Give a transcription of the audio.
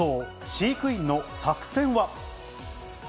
飼育員の作戦は？